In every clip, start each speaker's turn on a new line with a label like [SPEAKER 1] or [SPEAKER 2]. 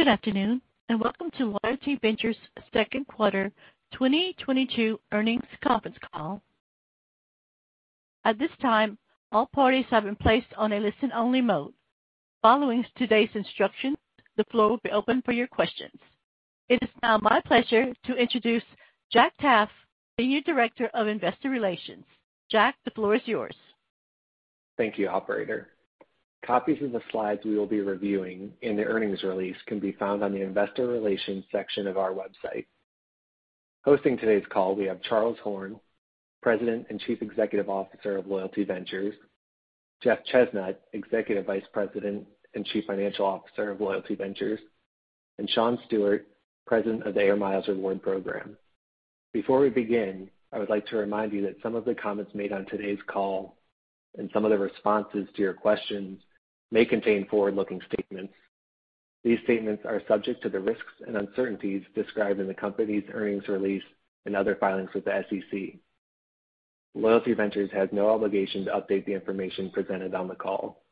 [SPEAKER 1] Good afternoon, and welcome to Loyalty Ventures Second Quarter 2022 Earnings Conference Call. At this time, all parties have been placed on a listen-only mode. Following today's instructions, the floor will be open for your questions. It is now my pleasure to introduce Jack Taffe, Senior Director of Investor Relations. Jack, the floor is yours.
[SPEAKER 2] Thank you, operator. Copies of the slides we will be reviewing in the earnings release can be found on the investor relations section of our website. Hosting today's call, we have Charles Horn, President and Chief Executive Officer of Loyalty Ventures, Jeff Chesnut, Executive Vice President and Chief Financial Officer of Loyalty Ventures, and Shawn Stewart, President of the AIR MILES Reward Program. Before we begin, I would like to remind you that some of the comments made on today's call and some of the responses to your questions may contain forward-looking statements. These statements are subject to the risks and uncertainties described in the company's earnings release and other filings with the SEC. Loyalty Ventures has no obligation to update the information presented on the call.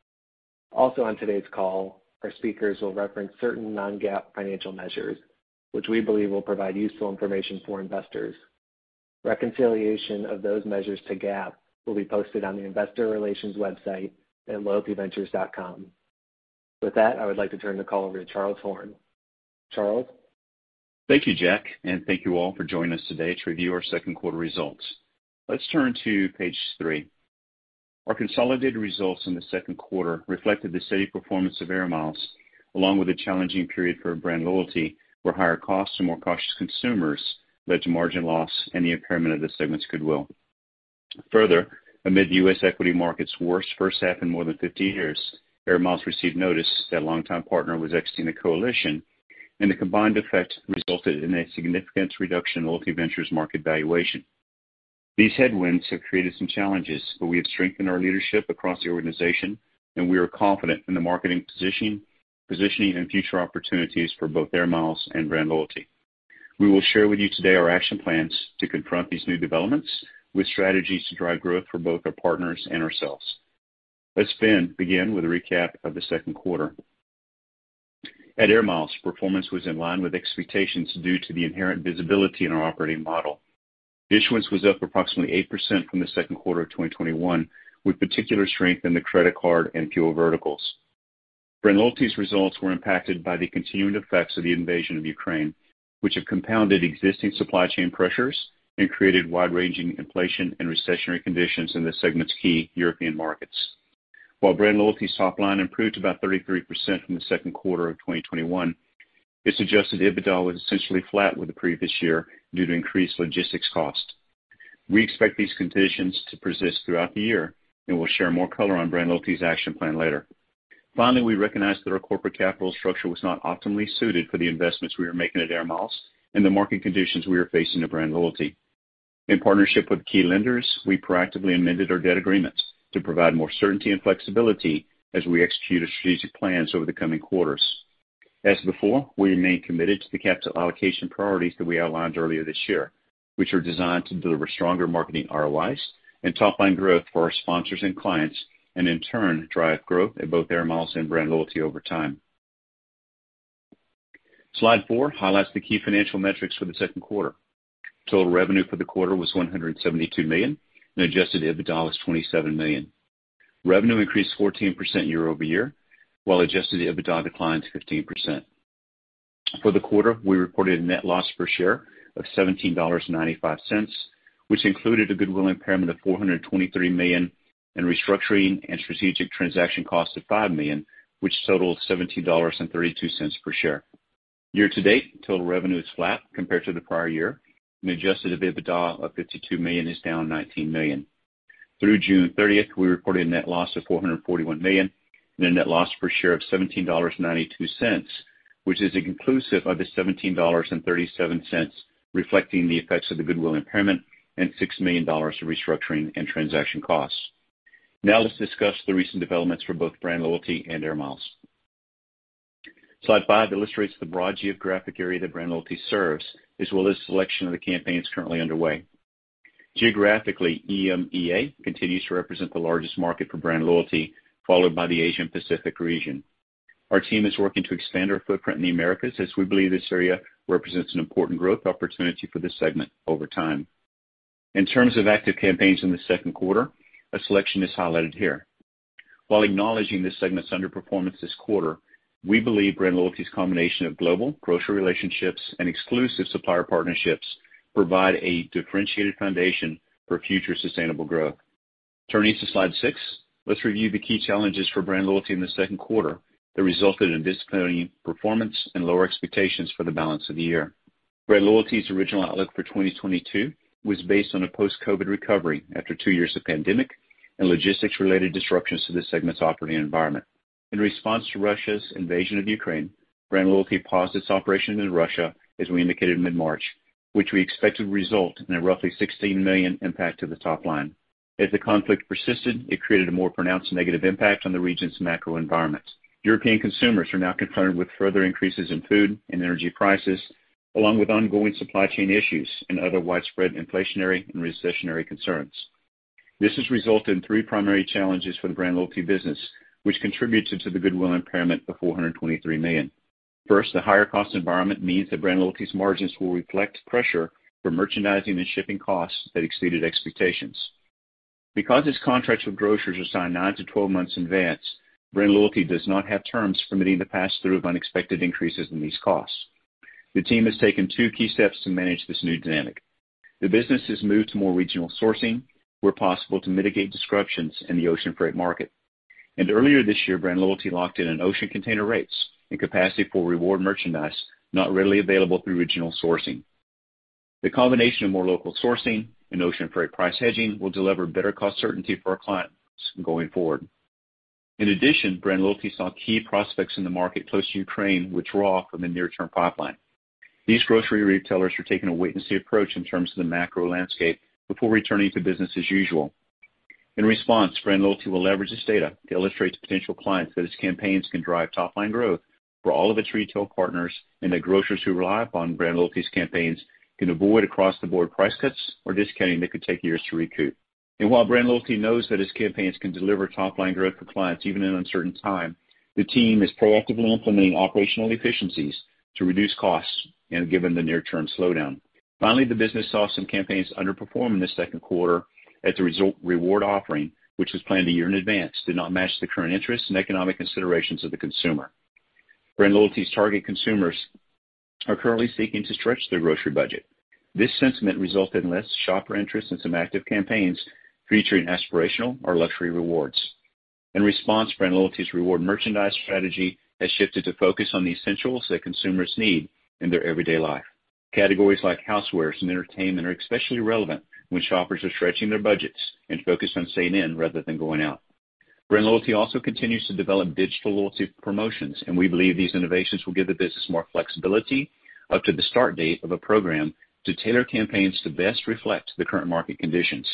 [SPEAKER 2] Also on today's call, our speakers will reference certain non-GAAP financial measures which we believe will provide useful information for investors. Reconciliation of those measures to GAAP will be posted on the investor relations website at loyaltyventures.com. With that, I would like to turn the call over to Charles Horn. Charles?
[SPEAKER 3] Thank you, Jack, and thank you all for joining us today to review our second quarter results. Let's turn to page 3. Our consolidated results in the second quarter reflected the steady performance of Air Miles, along with a challenging period for BrandLoyalty, where higher costs and more cautious consumers led to margin loss and the impairment of the segment's goodwill. Further, amid U.S. equity markets' worst first half in more than 50 years, Air Miles received notice that a longtime partner was exiting the coalition, and the combined effect resulted in a significant reduction in Loyalty Ventures' market valuation. These headwinds have created some challenges, but we have strengthened our leadership across the organization, and we are confident in the marketing position, positioning and future opportunities for both Air Miles and BrandLoyalty. We will share with you today our action plans to confront these new developments with strategies to drive growth for both our partners and ourselves. Let's then begin with a recap of the second quarter. At Air Miles, performance was in line with expectations due to the inherent visibility in our operating model. Issuance was up approximately 8% from the second quarter of 2021, with particular strength in the credit card and fuel verticals. BrandLoyalty's results were impacted by the continued effects of the invasion of Ukraine, which have compounded existing supply chain pressures and created wide-ranging inflation and recessionary conditions in the segment's key European markets. While BrandLoyalty's top line improved about 33% from the second quarter of 2021, its Adjusted EBITDA was essentially flat with the previous year due to increased logistics costs. We expect these conditions to persist throughout the year, and we'll share more color on BrandLoyalty's action plan later. Finally, we recognize that our corporate capital structure was not optimally suited for the investments we are making at Air Miles and the market conditions we are facing at BrandLoyalty. In partnership with key lenders, we proactively amended our debt agreement to provide more certainty and flexibility as we execute our strategic plans over the coming quarters. As before, we remain committed to the capital allocation priorities that we outlined earlier this year, which are designed to deliver stronger marketing ROIs and top-line growth for our sponsors and clients, and in turn, drive growth at both Air Miles and BrandLoyalty over time. Slide 4 highlights the key financial metrics for the second quarter. Total revenue for the quarter was $172 million and Adjusted EBITDA was $27 million. Revenue increased 14% year-over-year, while Adjusted EBITDA declined 15%. For the quarter, we reported a net loss per share of $17.95, which included a goodwill impairment of $423 million and restructuring and strategic transaction costs of $5 million, which totals $17.32 per share. Year to date, total revenue is flat compared to the prior year, and Adjusted EBITDA of $52 million is down $19 million. Through June 30, we reported a net loss of $441 million and a net loss per share of $17.92, which is inclusive of the $17.37 reflecting the effects of the goodwill impairment and $6 million of restructuring and transaction costs. Now let's discuss the recent developments for both BrandLoyalty and Air Miles. Slide 5 illustrates the broad geographic area that BrandLoyalty serves, as well as a selection of the campaigns currently underway. Geographically, EMEA continues to represent the largest market for BrandLoyalty, followed by the Asia Pacific region. Our team is working to expand our footprint in the Americas, as we believe this area represents an important growth opportunity for this segment over time. In terms of active campaigns in the second quarter, a selection is highlighted here. While acknowledging this segment's underperformance this quarter, we believe BrandLoyalty's combination of global grocery relationships and exclusive supplier partnerships provide a differentiated foundation for future sustainable growth. Turning to slide 6, let's review the key challenges for BrandLoyalty in the second quarter that resulted in disappointing performance and lower expectations for the balance of the year. BrandLoyalty's original outlook for 2022 was based on a post-COVID recovery after two years of pandemic and logistics-related disruptions to this segment's operating environment. In response to Russia's invasion of Ukraine, BrandLoyalty paused its operations in Russia, as we indicated in mid-March, which we expect to result in a roughly $16 million impact to the top line. As the conflict persisted, it created a more pronounced negative impact on the region's macro environment. European consumers are now concerned with further increases in food and energy prices, along with ongoing supply chain issues and other widespread inflationary and recessionary concerns. This has resulted in three primary challenges for the BrandLoyalty business, which contributed to the goodwill impairment of $423 million. First, the higher cost environment means that BrandLoyalty's margins will reflect pressure from merchandising and shipping costs that exceeded expectations. Because its contracts with grocers are signed 9-12 months in advance, BrandLoyalty does not have terms permitting the pass-through of unexpected increases in these costs. The team has taken two key steps to manage this new dynamic. The business has moved to more regional sourcing where possible to mitigate disruptions in the ocean freight market. Earlier this year, BrandLoyalty locked in on ocean container rates and capacity for reward merchandise not readily available through regional sourcing. The combination of more local sourcing and ocean freight price hedging will deliver better cost certainty for our clients going forward. In addition, BrandLoyalty saw key prospects in the market close to Ukraine withdraw from the near-term pipeline. These grocery retailers are taking a wait-and-see approach in terms of the macro landscape before returning to business as usual. In response, BrandLoyalty will leverage this data to illustrate to potential clients that its campaigns can drive top-line growth for all of its retail partners, and that grocers who rely upon BrandLoyalty's campaigns can avoid across-the-board price cuts or discounting that could take years to recoup. While BrandLoyalty knows that its campaigns can deliver top-line growth for clients even in an uncertain time, the team is proactively implementing operational efficiencies to reduce costs, given the near-term slowdown. Finally, the business saw some campaigns underperform in the second quarter as a result, reward offering, which was planned a year in advance, did not match the current interests and economic considerations of the consumer. BrandLoyalty's target consumers are currently seeking to stretch their grocery budget. This sentiment resulted in less shopper interest in some active campaigns featuring aspirational or luxury rewards. In response, BrandLoyalty's reward merchandise strategy has shifted to focus on the essentials that consumers need in their everyday life. Categories like housewares and entertainment are especially relevant when shoppers are stretching their budgets and focused on staying in rather than going out. BrandLoyalty also continues to develop digital loyalty promotions, and we believe these innovations will give the business more flexibility up to the start date of a program to tailor campaigns to best reflect the current market conditions.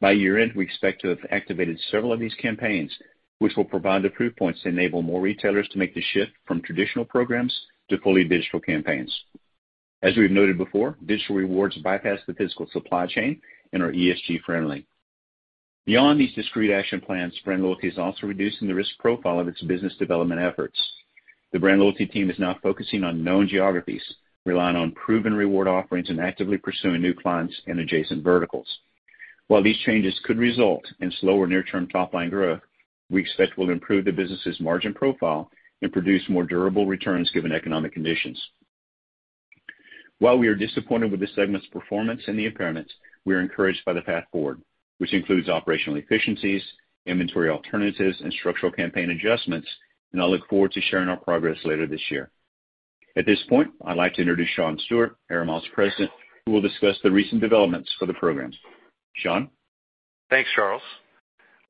[SPEAKER 3] By year-end, we expect to have activated several of these campaigns, which will provide the proof points to enable more retailers to make the shift from traditional programs to fully digital campaigns. As we've noted before, digital rewards bypass the physical supply chain and are ESG friendly. Beyond these discrete action plans, BrandLoyalty is also reducing the risk profile of its business development efforts. The BrandLoyalty team is now focusing on known geographies, relying on proven reward offerings, and actively pursuing new clients in adjacent verticals. While these changes could result in slower near-term top-line growth, we expect will improve the business's margin profile and produce more durable returns given economic conditions. While we are disappointed with the segment's performance and the impairments, we are encouraged by the path forward, which includes operational efficiencies, inventory alternatives, and structural campaign adjustments, and I look forward to sharing our progress later this year. At this point, I'd like to introduce Shawn Stewart, President, AIR MILES Reward Program, who will discuss the recent developments for the program. Shawn?
[SPEAKER 4] Thanks, Charles.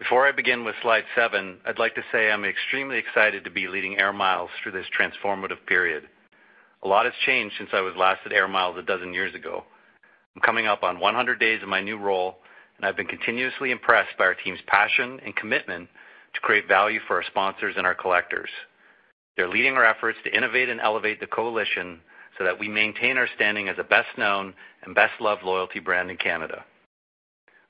[SPEAKER 4] Before I begin with slide 7, I'd like to say I'm extremely excited to be leading Air Miles through this transformative period. A lot has changed since I was last at Air Miles 12 years ago. I'm coming up on 100 days in my new role, and I've been continuously impressed by our team's passion and commitment to create value for our sponsors and our collectors. They're leading our efforts to innovate and elevate the coalition so that we maintain our standing as the best-known and best-loved loyalty brand in Canada.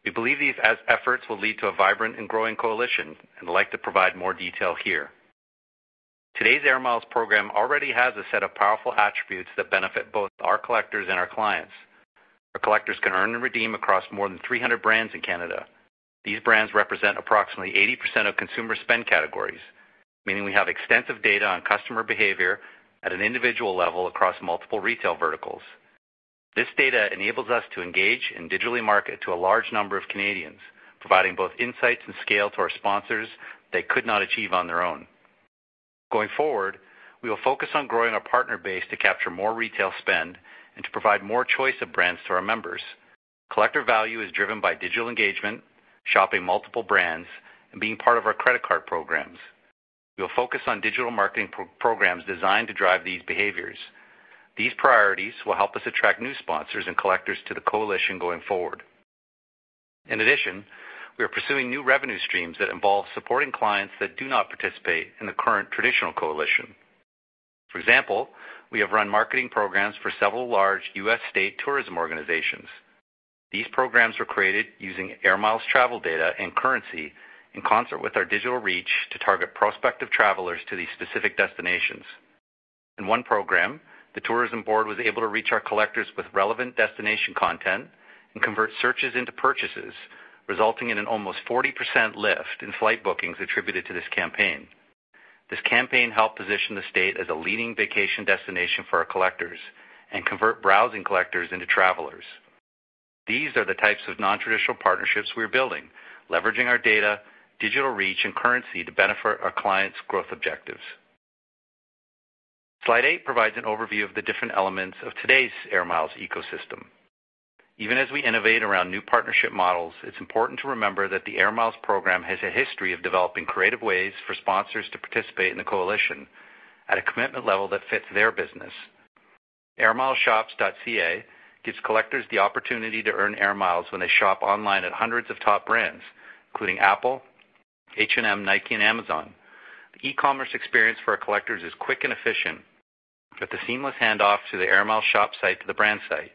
[SPEAKER 4] We believe these efforts will lead to a vibrant and growing coalition, and I'd like to provide more detail here. Today's Air Miles program already has a set of powerful attributes that benefit both our collectors and our clients. Our collectors can earn and redeem across more than 300 brands in Canada. These brands represent approximately 80% of consumer spend categories, meaning we have extensive data on customer behavior at an individual level across multiple retail verticals. This data enables us to engage and digitally market to a large number of Canadians, providing both insights and scale to our sponsors they could not achieve on their own. Going forward, we will focus on growing our partner base to capture more retail spend and to provide more choice of brands to our members. Collector value is driven by digital engagement, shopping multiple brands, and being part of our credit card programs. We'll focus on digital marketing programs designed to drive these behaviors. These priorities will help us attract new sponsors and collectors to the coalition going forward. In addition, we are pursuing new revenue streams that involve supporting clients that do not participate in the current traditional coalition. For example, we have run marketing programs for several large U.S. state tourism organizations. These programs were created using Air Miles travel data and currency in concert with our digital reach to target prospective travelers to these specific destinations. In one program, the tourism board was able to reach our collectors with relevant destination content and convert searches into purchases, resulting in an almost 40% lift in flight bookings attributed to this campaign. This campaign helped position the state as a leading vacation destination for our collectors and convert browsing collectors into travelers. These are the types of nontraditional partnerships we're building, leveraging our data, digital reach, and currency to benefit our clients' growth objectives. Slide 8 provides an overview of the different elements of today's Air Miles ecosystem. Even as we innovate around new partnership models, it's important to remember that the Air Miles program has a history of developing creative ways for sponsors to participate in the coalition at a commitment level that fits their business. airmilesshops.ca gives collectors the opportunity to earn Air Miles when they shop online at hundreds of top brands, including Apple, H&M, Nike, and Amazon. The e-commerce experience for our collectors is quick and efficient, with the seamless handoff to the Air Miles shop site to the brand site.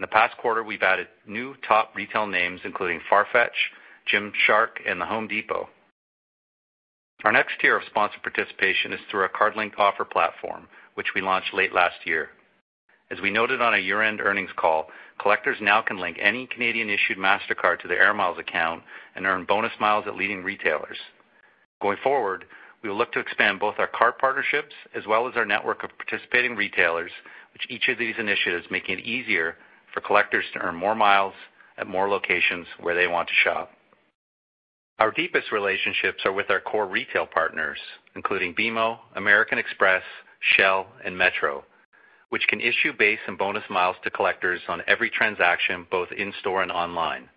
[SPEAKER 4] In the past quarter, we've added new top retail names including Farfetch, Gymshark, and The Home Depot. Our next tier of sponsor participation is through our card-linked offer platform, which we launched late last year. As we noted on our year-end earnings call, collectors now can link any Canadian issued Mastercard to their Air Miles account and earn bonus miles at leading retailers. Going forward, we will look to expand both our card partnerships as well as our network of participating retailers, with each of these initiatives making it easier for collectors to earn more miles at more locations where they want to shop. Our deepest relationships are with our core retail partners, including BMO, American Express, Shell, and Metro, which can issue base and bonus miles to collectors on every transaction, both in store and online.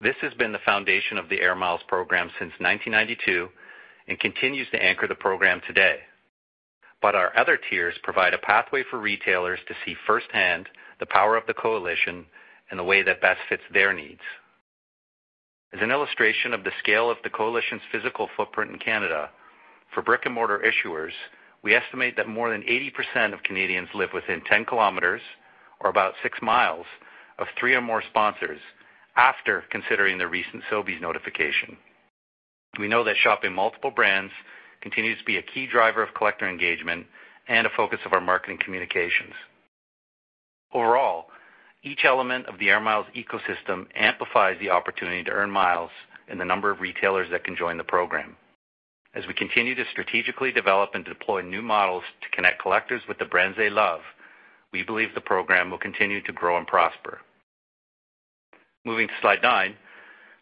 [SPEAKER 4] This has been the foundation of the Air Miles program since 1992 and continues to anchor the program today. Our other tiers provide a pathway for retailers to see firsthand the power of the coalition in the way that best fits their needs. As an illustration of the scale of the coalition's physical footprint in Canada, for brick-and-mortar issuers, we estimate that more than 80% of Canadians live within 10 km or about 6 mi of three or more sponsors after considering the recent Sobeys notification. We know that shopping multiple brands continues to be a key driver of collector engagement and a focus of our marketing communications. Overall, each element of the Air Miles ecosystem amplifies the opportunity to earn miles in the number of retailers that can join the program. As we continue to strategically develop and deploy new models to connect collectors with the brands they love, we believe the program will continue to grow and prosper. Moving to slide 9,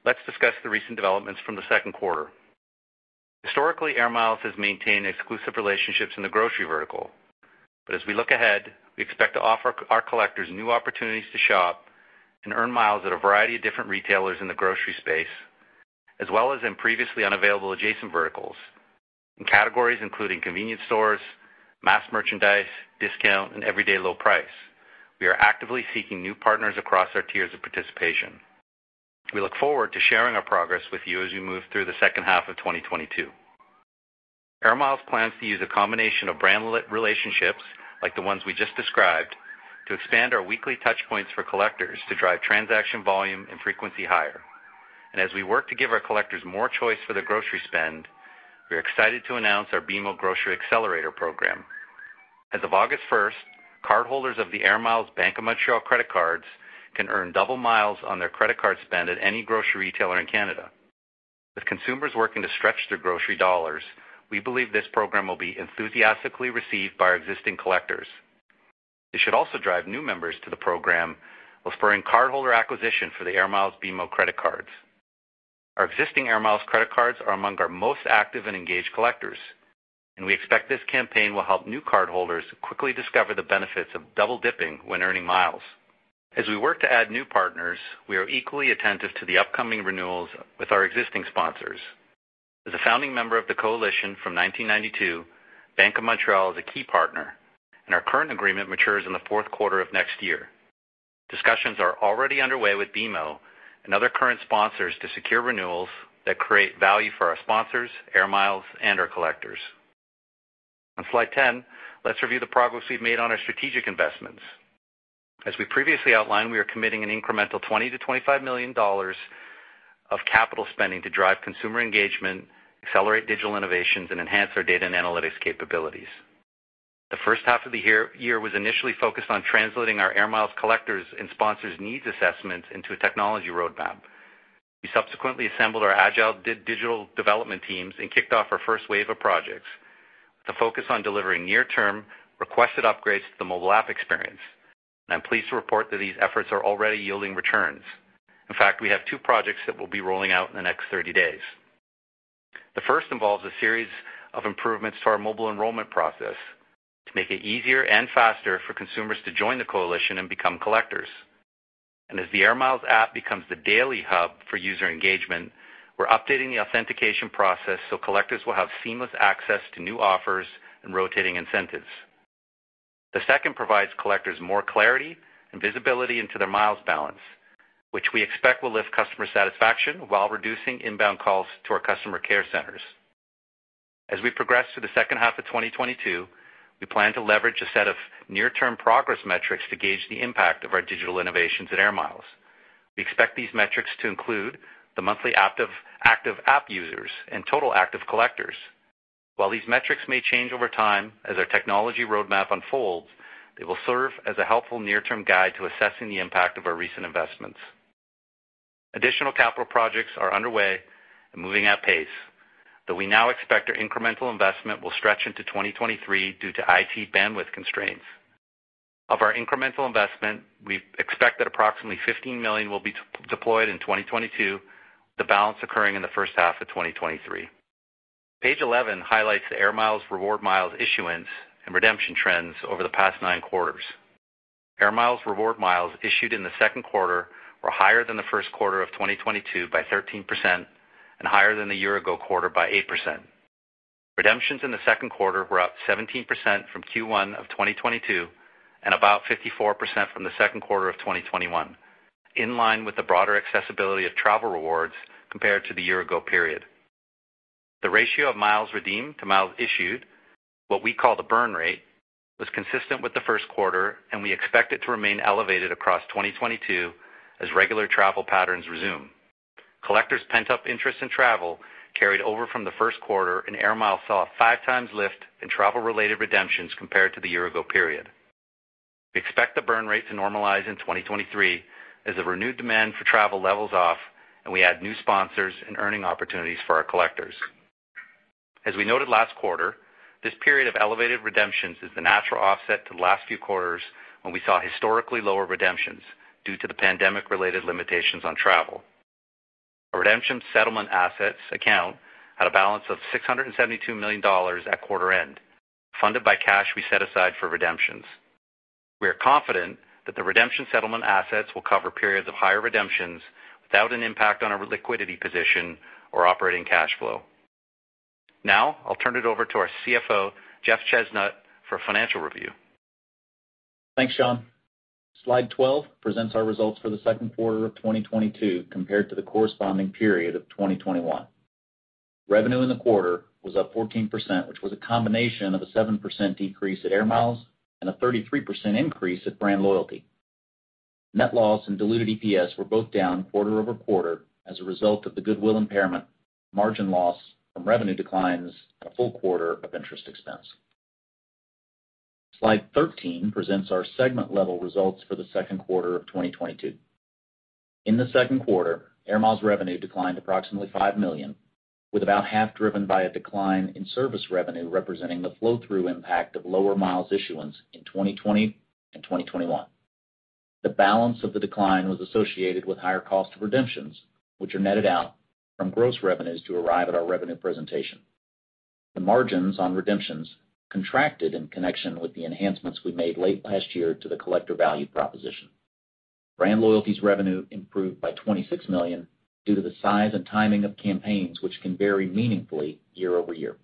[SPEAKER 4] let's discuss the recent developments from the second quarter. Historically, Air Miles has maintained exclusive relationships in the grocery vertical. As we look ahead, we expect to offer our collectors new opportunities to shop and earn miles at a variety of different retailers in the grocery space, as well as in previously unavailable adjacent verticals. In categories including convenience stores, mass merchandise, discount, and everyday low price, we are actively seeking new partners across our tiers of participation. We look forward to sharing our progress with you as we move through the second half of 2022. Air Miles plans to use a combination of BrandLoyalty relationships, like the ones we just described, to expand our weekly touch points for collectors to drive transaction volume and frequency higher. As we work to give our collectors more choice for their grocery spend, we are excited to announce our BMO Grocery Accelerator program. As of August 1st, cardholders of the Air Miles Bank of Montreal credit cards can earn double miles on their credit card spend at any grocery retailer in Canada. With consumers working to stretch their grocery dollars, we believe this program will be enthusiastically received by our existing collectors. It should also drive new members to the program, while spurring cardholder acquisition for the Air Miles BMO credit cards. Our existing Air Miles credit cards are among our most active and engaged collectors, and we expect this campaign will help new cardholders quickly discover the benefits of double-dipping when earning miles. As we work to add new partners, we are equally attentive to the upcoming renewals with our existing sponsors. As a founding member of the coalition from 1992, Bank of Montreal is a key partner, and our current agreement matures in the fourth quarter of next year. Discussions are already underway with BMO and other current sponsors to secure renewals that create value for our sponsors, Air Miles, and our collectors. On slide 10, let's review the progress we've made on our strategic investments. As we previously outlined, we are committing an incremental $20-$25 million of capital spending to drive consumer engagement, accelerate digital innovations, and enhance our data and analytics capabilities. The first half of the year was initially focused on translating our Air Miles collectors and sponsors needs assessments into a technology roadmap. We subsequently assembled our agile digital development teams and kicked off our first wave of projects with a focus on delivering near term requested upgrades to the mobile app experience. I'm pleased to report that these efforts are already yielding returns. In fact, we have two projects that we'll be rolling out in the next 30 days. The first involves a series of improvements to our mobile enrollment process to make it easier and faster for consumers to join the coalition and become collectors. As the Air Miles app becomes the daily hub for user engagement, we're updating the authentication process so collectors will have seamless access to new offers and rotating incentives. The second provides collectors more clarity and visibility into their miles balance, which we expect will lift customer satisfaction while reducing inbound calls to our customer care centers. As we progress through the second half of 2022, we plan to leverage a set of near term progress metrics to gauge the impact of our digital innovations at Air Miles. We expect these metrics to include the monthly active app users and total active collectors. While these metrics may change over time as our technology roadmap unfolds, they will serve as a helpful near-term guide to assessing the impact of our recent investments. Additional capital projects are underway and moving at pace, though we now expect our incremental investment will stretch into 2023 due to IT bandwidth constraints. Of our incremental investment, we expect that approximately $15 million will be deployed in 2022, the balance occurring in the first half of 2023. Page 11 highlights the AIR MILES reward miles issuance and redemption trends over the past nine quarters. AIR MILES reward miles issued in the second quarter were higher than the first quarter of 2022 by 13% and higher than the year-ago quarter by 8%. Redemptions in the second quarter were up 17% from Q1 of 2022 and about 54% from the second quarter of 2021, in line with the broader accessibility of travel rewards compared to the year ago period. The ratio of miles redeemed to miles issued, what we call the burn rate, was consistent with the first quarter, and we expect it to remain elevated across 2022 as regular travel patterns resume. Collectors pent-up interest in travel carried over from the first quarter, and Air Miles saw a 5x lift in travel-related redemptions compared to the year ago period. We expect the burn rate to normalize in 2023 as the renewed demand for travel levels off and we add new sponsors and earning opportunities for our collectors. As we noted last quarter, this period of elevated redemptions is the natural offset to the last few quarters when we saw historically lower redemptions due to the pandemic-related limitations on travel. Our redemption settlement assets account had a balance of $672 million at quarter-end, funded by cash we set aside for redemptions. We are confident that the redemption settlement assets will cover periods of higher redemptions without an impact on our liquidity position or operating cash flow. Now I'll turn it over to our CFO, Jeff Chesnut, for a financial review.
[SPEAKER 5] Thanks, Shawn. Slide 12 presents our results for the second quarter of 2022 compared to the corresponding period of 2021. Revenue in the quarter was up 14%, which was a combination of a 7% decrease at Air Miles and a 33% increase at BrandLoyalty. Net loss and diluted EPS were both down quarter-over-quarter as a result of the goodwill impairment, margin loss from revenue declines, a full quarter of interest expense. Slide 13 presents our segment-level results for the second quarter of 2022. In the second quarter, Air Miles revenue declined approximately $5 million, with about half driven by a decline in service revenue, representing the flow-through impact of lower miles issuance in 2020 and 2021. The balance of the decline was associated with higher cost of redemptions, which are netted out from gross revenues to arrive at our revenue presentation. The margins on redemptions contracted in connection with the enhancements we made late last year to the collector value proposition. BrandLoyalty's revenue improved by $26 million due to the size and timing of campaigns, which can vary meaningfully year-over-year.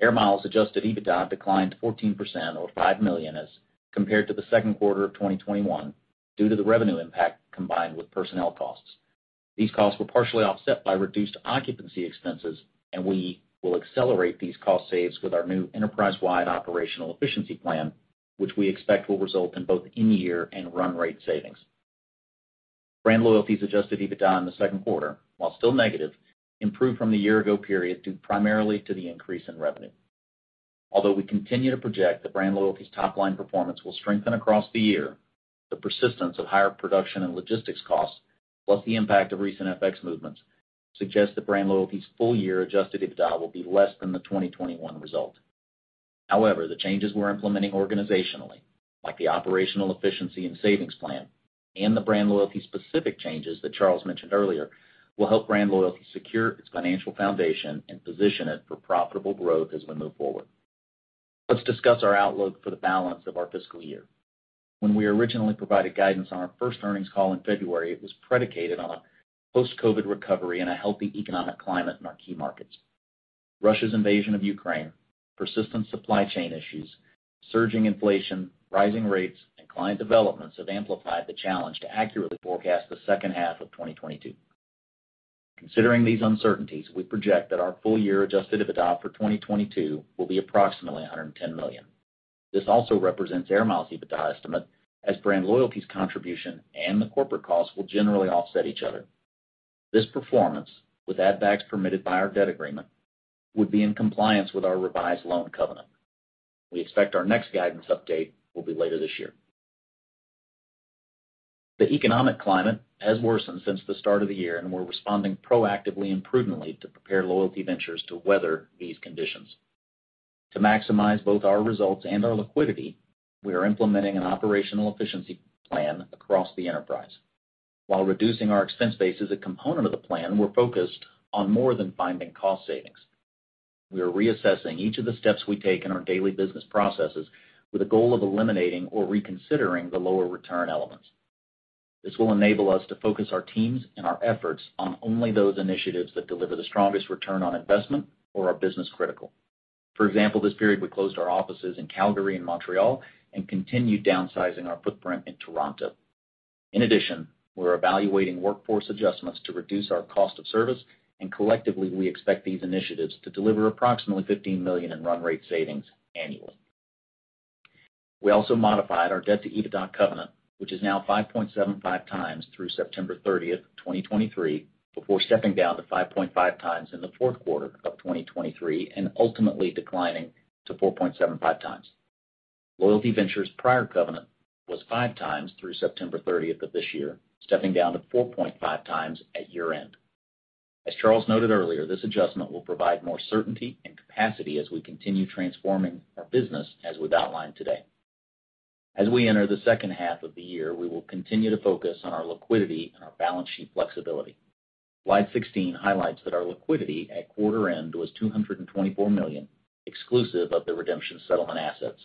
[SPEAKER 5] Air Miles Adjusted EBITDA declined 14% or $5 million as compared to the second quarter of 2021 due to the revenue impact combined with personnel costs. These costs were partially offset by reduced occupancy expenses, and we will accelerate these cost saves with our new enterprise-wide operational efficiency plan, which we expect will result in both in-year and run rate savings. BrandLoyalty's Adjusted EBITDA in the second quarter, while still negative, improved from the year ago period due primarily to the increase in revenue. Although we continue to project that BrandLoyalty's top-line performance will strengthen across the year, the persistence of higher production and logistics costs, plus the impact of recent FX movements, suggest that BrandLoyalty's full-year Adjusted EBITDA will be less than the 2021 result. However, the changes we're implementing organizationally, like the operational efficiency and savings plan and the BrandLoyalty specific changes that Charles mentioned earlier, will help BrandLoyalty secure its financial foundation and position it for profitable growth as we move forward. Let's discuss our outlook for the balance of our fiscal year. When we originally provided guidance on our first earnings call in February, it was predicated on a post-COVID recovery and a healthy economic climate in our key markets. Russia's invasion of Ukraine, persistent supply chain issues, surging inflation, rising rates, and client developments have amplified the challenge to accurately forecast the second half of 2022. Considering these uncertainties, we project that our full year Adjusted EBITDA for 2022 will be approximately $110 million. This also represents Air Miles EBITDA estimate as BrandLoyalty's contribution and the corporate costs will generally offset each other. This performance, with add backs permitted by our debt agreement, would be in compliance with our revised loan covenant. We expect our next guidance update will be later this year. The economic climate has worsened since the start of the year, and we're responding proactively and prudently to prepare Loyalty Ventures to weather these conditions. To maximize both our results and our liquidity, we are implementing an operational efficiency plan across the enterprise. While reducing our expense base is a component of the plan, we're focused on more than finding cost savings. We are reassessing each of the steps we take in our daily business processes with the goal of eliminating or reconsidering the lower return elements. This will enable us to focus our teams and our efforts on only those initiatives that deliver the strongest return on investment or are business critical. For example, this period we closed our offices in Calgary and Montreal and continued downsizing our footprint in Toronto. In addition, we're evaluating workforce adjustments to reduce our cost of service, and collectively, we expect these initiatives to deliver approximately $15 million in run rate savings annually. We also modified our debt-to-EBITDA covenant, which is now 5.75x through September 30, 2023, before stepping down to 5.5x in the fourth quarter of 2023 and ultimately declining to 4.75x. Loyalty Ventures prior covenant was 5x through September 30 of this year, stepping down to 4.5x at year-end. As Charles noted earlier, this adjustment will provide more certainty and capacity as we continue transforming our business as we've outlined today. As we enter the second half of the year, we will continue to focus on our liquidity and our balance sheet flexibility. Slide 16 highlights that our liquidity at quarter end was $224 million, exclusive of the redemption settlement assets.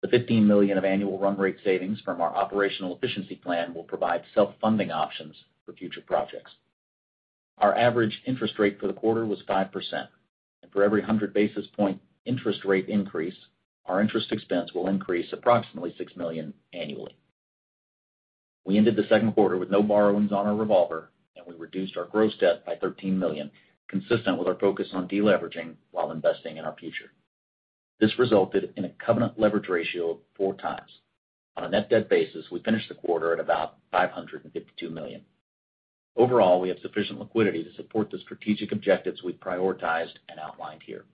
[SPEAKER 5] The $15 million of annual run rate savings from our operational efficiency plan will provide self-funding options for future projects. Our average interest rate for the quarter was 5%. For every 100 basis points interest rate increase, our interest expense will increase approximately $6 million annually. We ended the second quarter with no borrowings on our revolver, and we reduced our gross debt by $13 million, consistent with our focus on deleveraging while investing in our future. This resulted in a covenant leverage ratio of 4x. On a net debt basis, we finished the quarter at about $552 million. Overall, we have sufficient liquidity to support the strategic objectives we've prioritized and outlined here.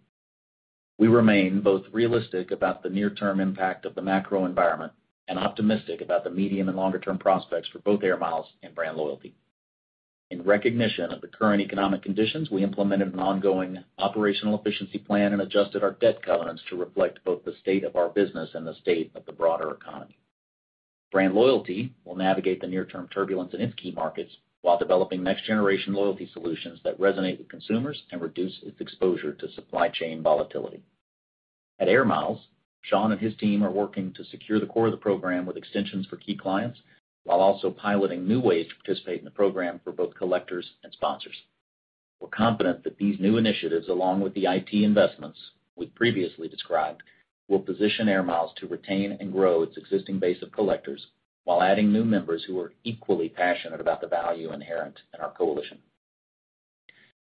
[SPEAKER 5] We remain both realistic about the near-term impact of the macro environment and optimistic about the medium and longer-term prospects for both Air Miles and BrandLoyalty. In recognition of the current economic conditions, we implemented an ongoing operational efficiency plan and adjusted our debt covenants to reflect both the state of our business and the state of the broader economy. BrandLoyalty will navigate the near-term turbulence in its key markets while developing next-generation loyalty solutions that resonate with consumers and reduce its exposure to supply chain volatility. At Air Miles, Shawn and his team are working to secure the core of the program with extensions for key clients while also piloting new ways to participate in the program for both collectors and sponsors. We're confident that these new initiatives, along with the IT investments we've previously described, will position Air Miles to retain and grow its existing base of collectors while adding new members who are equally passionate about the value inherent in our coalition.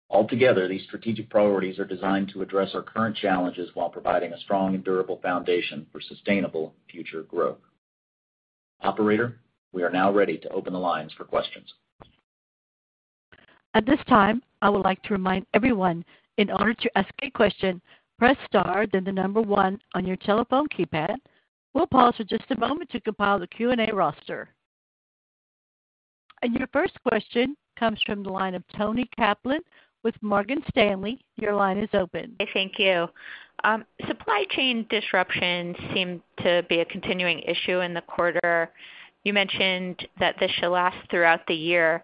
[SPEAKER 5] Altogether, these strategic priorities are designed to address our current challenges while providing a strong and durable foundation for sustainable future growth. Operator, we are now ready to open the lines for questions.
[SPEAKER 1] At this time, I would like to remind everyone, in order to ask a question, press star then the number one on your telephone keypad. We'll pause for just a moment to compile the Q&A roster. Your first question comes from the line of Toni Kaplan with Morgan Stanley. Your line is open.
[SPEAKER 6] Thank you. Supply chain disruptions seem to be a continuing issue in the quarter. You mentioned that this should last throughout the year.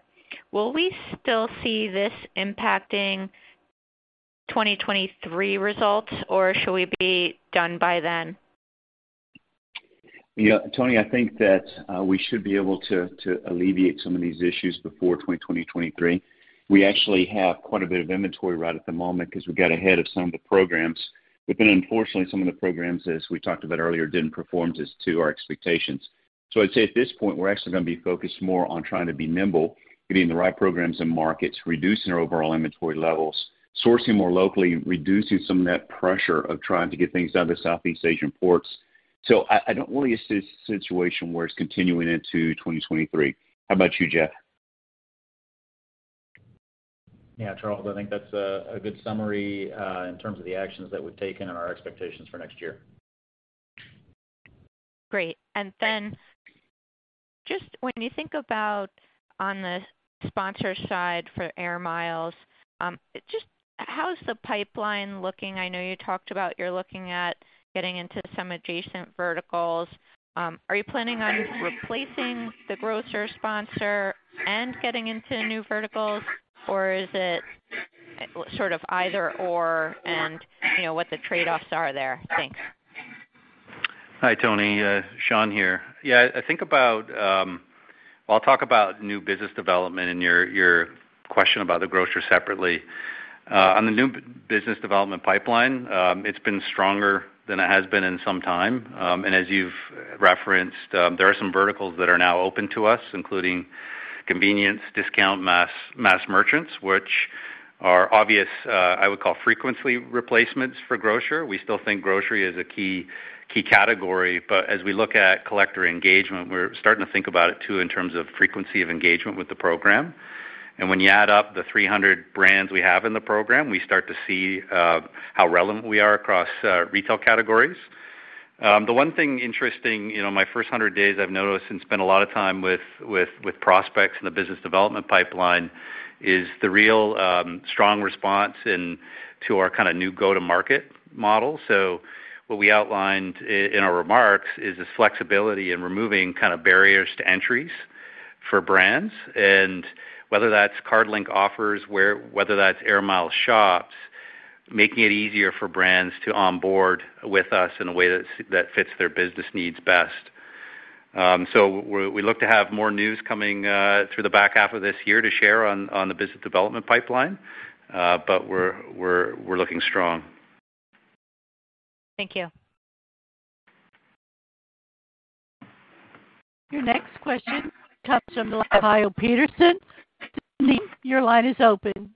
[SPEAKER 6] Will we still see this impacting 2023 results, or should we be done by then?
[SPEAKER 3] Yeah, Toni, I think that we should be able to alleviate some of these issues before 2023. We actually have quite a bit of inventory right at the moment because we got ahead of some of the programs. Unfortunately, some of the programs, as we talked about earlier, didn't perform to our expectations. I'd say at this point, we're actually going to be focused more on trying to be nimble, getting the right programs in markets, reducing our overall inventory levels, sourcing more locally, reducing some of that pressure of trying to get things out of the Southeast Asian ports. I don't really see a situation where it's continuing into 2023. How about you, Jeff?
[SPEAKER 5] Yeah, Charles, I think that's a good summary in terms of the actions that we've taken and our expectations for next year.
[SPEAKER 6] Great. Just when you think about on the sponsor side for Air Miles, just how's the pipeline looking? I know you talked about you're looking at getting into some adjacent verticals. Are you planning on replacing the grocer sponsor and getting into new verticals? Or is it sort of either/or, and you know, what the trade-offs are there? Thanks.
[SPEAKER 4] Hi, Toni. Shawn here. I'll talk about new business development and your question about the grocery separately. On the new business development pipeline, it's been stronger than it has been in some time. As you've referenced, there are some verticals that are now open to us, including convenience, discount mass merchants, which are obvious. I would call frequency replacements for grocery. We still think grocery is a key category. As we look at collector engagement, we're starting to think about it too in terms of frequency of engagement with the program. When you add up the 300 brands we have in the program, we start to see how relevant we are across retail categories. The one thing interesting, you know, my first 100 days I've noticed and spent a lot of time with prospects in the business development pipeline is the real strong response to our kind of new go-to-market model. What we outlined in our remarks is this flexibility in removing kind of barriers to entry for brands, and whether that's card-linked offers, whether that's Air Miles shops, making it easier for brands to onboard with us in a way that fits their business needs best. We look to have more news coming through the back half of this year to share on the business development pipeline. We're looking strong.
[SPEAKER 6] Thank you.
[SPEAKER 1] Your next question comes from Kyle Peterson. Your line is open.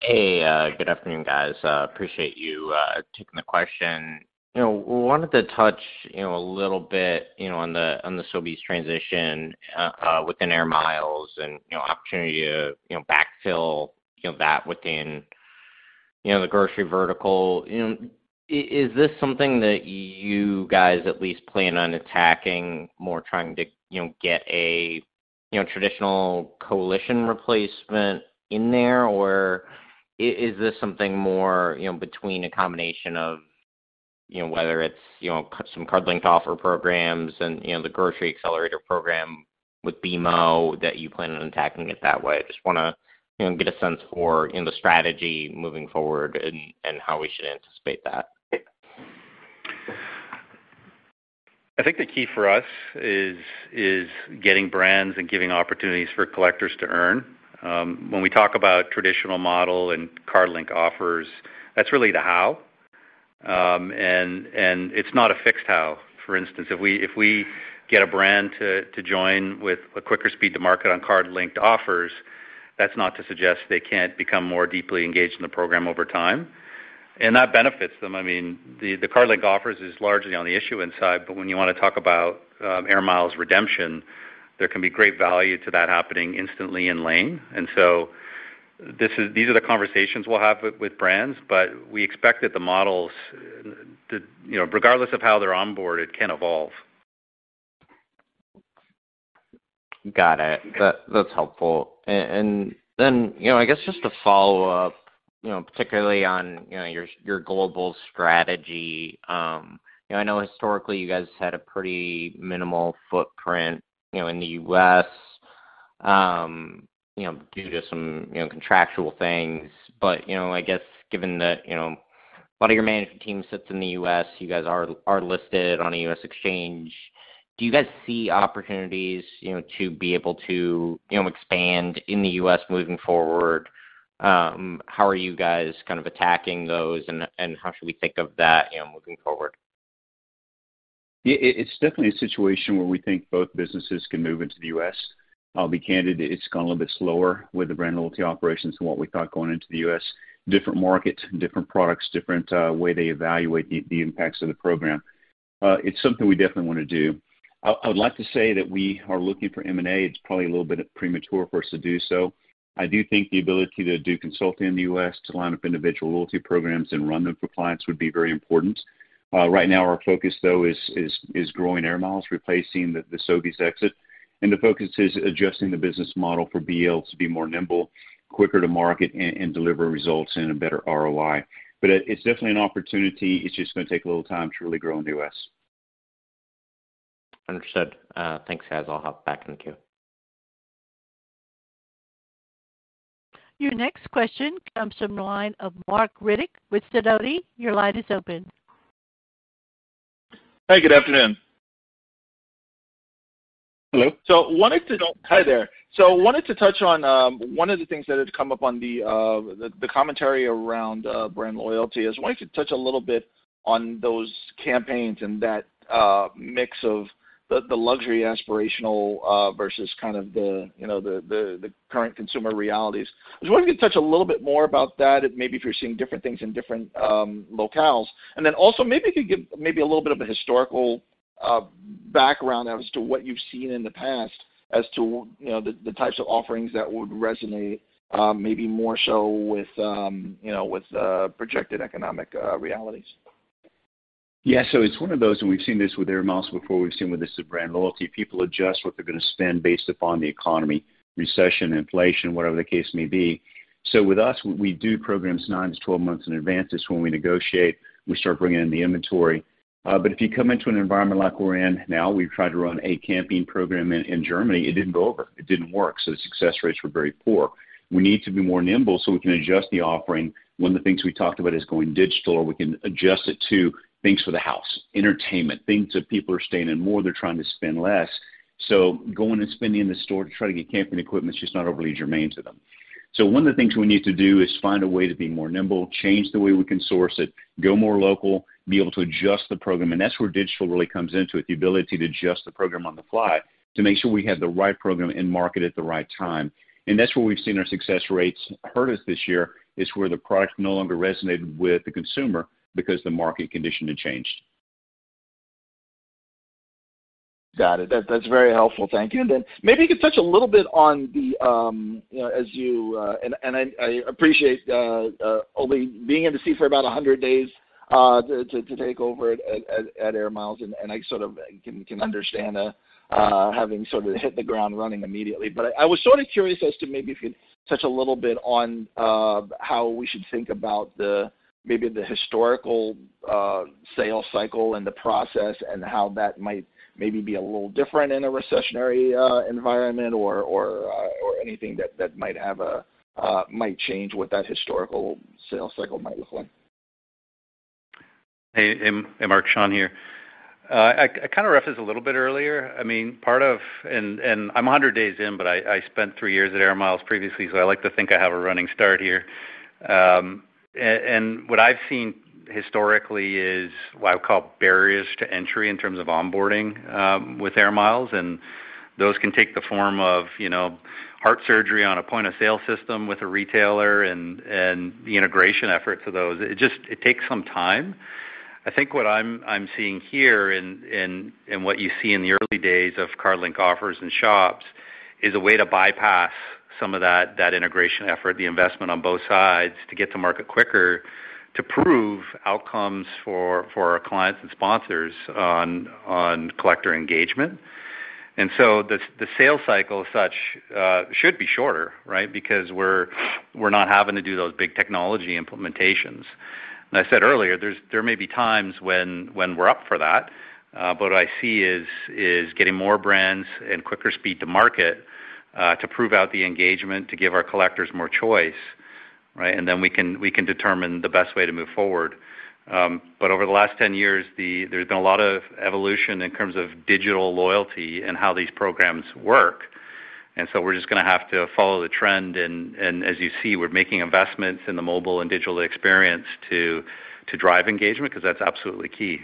[SPEAKER 7] Hey, good afternoon, guys. Appreciate you taking the question. You know, wanted to touch, you know, a little bit, you know, on the, on the Sobeys transition, within Air Miles and, you know, opportunity to, you know, backfill, you know, that within, you know, the grocery vertical. You know, is this something that you guys at least plan on attacking more, trying to, you know, get a, you know, traditional coalition replacement in there? Or is this something more, you know, between a combination of, you know, whether it's, you know, some card-linked offer programs and, you know, the grocery accelerator program with BMO that you plan on attacking it that way? I just wanna, you know, get a sense for, you know, the strategy moving forward and how we should anticipate that.
[SPEAKER 4] I think the key for us is getting brands and giving opportunities for collectors to earn. When we talk about traditional model and card-linked offers, that's really the how.
[SPEAKER 3] It's not a fixed how. For instance, if we get a brand to join with a quicker speed to market on card-linked offers, that's not to suggest they can't become more deeply engaged in the program over time. That benefits them. I mean, the card-linked offers is largely on the issuance side, but when you wanna talk about Air Miles redemption, there can be great value to that happening instantly in lane. These are the conversations we'll have with brands, but we expect that the models, you know, regardless of how they're onboarded, can evolve.
[SPEAKER 7] Got it. That's helpful. Then, you know, I guess just to follow up, you know, particularly on, you know, your global strategy, you know, I know historically you guys had a pretty minimal footprint, you know, in the U.S., you know, due to some, you know, contractual things. You know, I guess given that, you know, a lot of your management team sits in the U.S., you guys are listed on a U.S. exchange, do you guys see opportunities, you know, to be able to, you know, expand in the U.S. moving forward? How are you guys kind of attacking those, and how should we think of that, you know, moving forward?
[SPEAKER 3] It's definitely a situation where we think both businesses can move into the U.S. I'll be candid, it's gone a little bit slower with the BrandLoyalty operations than what we thought going into the U.S. Different markets, different products, different way they evaluate the impacts of the program. It's something we definitely wanna do. I would like to say that we are looking for M&A. It's probably a little bit premature for us to do so. I do think the ability to do consulting in the U.S. to line up individual loyalty programs and run them for clients would be very important. Right now our focus though is growing Air Miles, replacing the Sobeys exit, and the focus is adjusting the business model for BL to be more nimble, quicker to market, and deliver results and a better ROI. It's definitely an opportunity. It's just gonna take a little time to really grow in the US.
[SPEAKER 7] Understood. Thanks guys. I'll hop back in the queue.
[SPEAKER 1] Your next question comes from the line of Marc Riddick with Sidoti. Your line is open.
[SPEAKER 8] Hey, good afternoon.
[SPEAKER 3] Hello.
[SPEAKER 8] Wanted to touch on one of the things that had come up on the commentary around BrandLoyalty. I was wanting to touch a little bit on those campaigns and that mix of the luxury aspirational versus kind of the you know the current consumer realities. I was wondering if you could touch a little bit more about that, maybe if you're seeing different things in different locales. Then also maybe if you could give maybe a little bit of a historical background as to what you've seen in the past as to you know the types of offerings that would resonate maybe more so with you know with projected economic realities.
[SPEAKER 3] Yeah. It's one of those, and we've seen this with Air Miles before. We've seen this with BrandLoyalty. People adjust what they're gonna spend based upon the economy, recession, inflation, whatever the case may be. With us, we do programs 9-12 months in advance. That's when we negotiate. We start bringing in the inventory. If you come into an environment like we're in now, we've tried to run a camping program in Germany. It didn't go over. It didn't work, so the success rates were very poor. We need to be more nimble, so we can adjust the offering. One of the things we talked about is going digital, or we can adjust it to things for the house, entertainment, things that people are staying in more. They're trying to spend less. Going and spending in the store to try to get camping equipment is just not overly germane to them. One of the things we need to do is find a way to be more nimble, change the way we can source it, go more local, be able to adjust the program, and that's where digital really comes into it, the ability to adjust the program on the fly to make sure we have the right program and market at the right time. That's where we've seen our success rates hurt us this year, is where the product no longer resonated with the consumer because the market condition had changed.
[SPEAKER 8] Got it. That's very helpful. Thank you. Maybe you could touch a little bit on the, you know, I appreciate only being in the seat for about 100 days to take over at Air Miles and I sort of can understand having sort of hit the ground running immediately. I was sort of curious as to maybe if you'd touch a little bit on how we should think about maybe the historical sales cycle and the process and how that might maybe be a little different in a recessionary environment or anything that might change what that historical sales cycle might look like.
[SPEAKER 4] Hey, hey Marc, Shawn here. I kinda referenced this a little bit earlier. I'm 100 days in, but I spent three years at Air Miles previously, so I like to think I have a running start here. What I've seen historically is what I would call barriers to entry in terms of onboarding with Air Miles, and those can take the form of, you know, heart surgery on a point-of-sale system with a retailer and the integration efforts of those. It just takes some time. I think what I'm seeing here and what you see in the early days of card-linked offers and shops is a way to bypass some of that integration effort, the investment on both sides to get to market quicker to prove outcomes for our clients and sponsors on collector engagement. The sales cycle as such should be shorter, right? Because we're not having to do those big technology implementations. I said earlier, there may be times when we're up for that, but what I see is getting more brands and quicker speed to market to prove out the engagement, to give our collectors more choice, right? Then we can determine the best way to move forward. Over the last 10 years, there's been a lot of evolution in terms of digital loyalty and how these programs work. We're just gonna have to follow the trend, and as you see, we're making investments in the mobile and digital experience to drive engagement because that's absolutely key.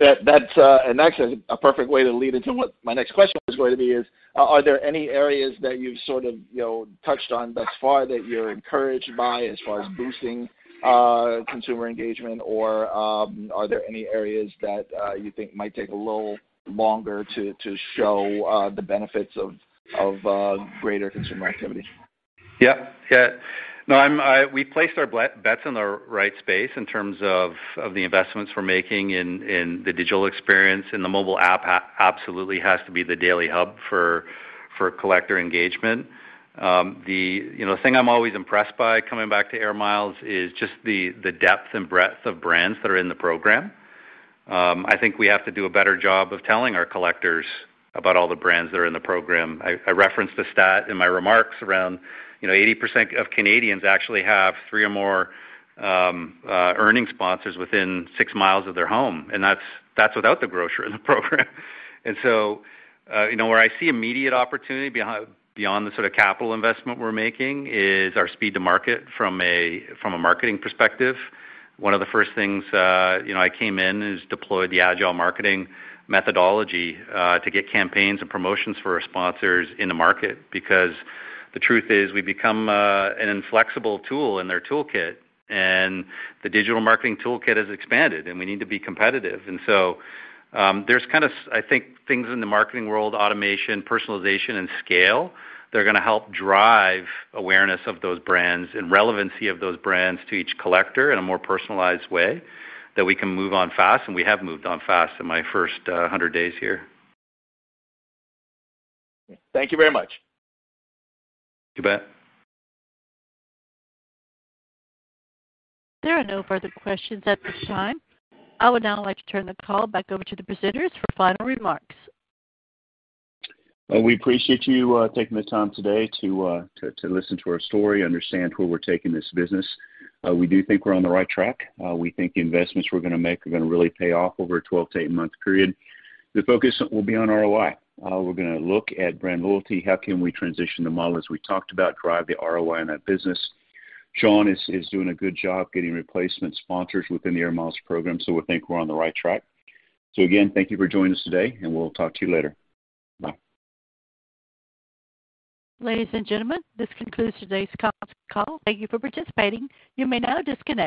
[SPEAKER 8] That's actually a perfect way to lead into what my next question was going to be is, are there any areas that you've sort of, you know, touched on thus far that you're encouraged by as far as boosting consumer engagement or, are there any areas that you think might take a little longer to show the benefits of greater consumer activity?
[SPEAKER 4] Yeah. Yeah. No, we placed our bets in the right space in terms of the investments we're making in the digital experience, and the mobile app absolutely has to be the daily hub for collector engagement. The you know thing I'm always impressed by coming back to Air Miles is just the depth and breadth of brands that are in the program. I think we have to do a better job of telling our collectors about all the brands that are in the program. I referenced the stat in my remarks around you know 80% of Canadians actually have three or more earning sponsors within 6 mi of their home, and that's without the grocer in the program. Where I see immediate opportunity beyond the sort of capital investment we're making is our speed to market from a marketing perspective. One of the first things I came in is deploy the agile marketing methodology to get campaigns and promotions for our sponsors in the market. Because the truth is we become an inflexible tool in their toolkit, and the digital marketing toolkit has expanded, and we need to be competitive. There's kind of, I think, things in the marketing world, automation, personalization, and scale that are gonna help drive awareness of those brands and relevancy of those brands to each collector in a more personalized way that we can move on fast, and we have moved on fast in my first 100 days here.
[SPEAKER 8] Thank you very much.
[SPEAKER 4] You bet.
[SPEAKER 1] There are no further questions at this time. I would now like to turn the call back over to the presenters for final remarks.
[SPEAKER 3] Well, we appreciate you taking the time today to listen to our story, understand where we're taking this business. We do think we're on the right track. We think the investments we're gonna make are gonna really pay off over a 12- to 18-month period. The focus will be on ROI. We're gonna look at BrandLoyalty, how can we transition the model as we talked about, drive the ROI in that business. Shawn is doing a good job getting replacement sponsors within the Air Miles program, so we think we're on the right track. Again, thank you for joining us today, and we'll talk to you later. Bye.
[SPEAKER 1] Ladies and gentlemen, this concludes today's conference call. Thank you for participating. You may now disconnect.